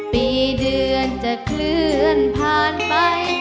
ปีเดือนจะเคลื่อนผ่านไป